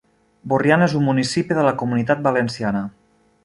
Borriana és un municipi de la Comunitat Valenciana.